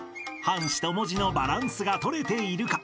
［半紙と文字のバランスが取れているか］